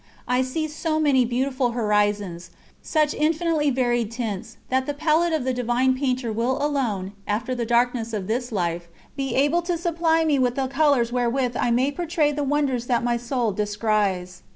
I see so many beautiful horizons, such infinitely varied tints, that the palette of the Divine Painter will alone, after the darkness of this life, be able to supply me with the colours wherewith I may portray the wonders that my soul descries.